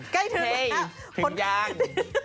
ใกล้เทือนแล้วเฮ้ยถึงยัง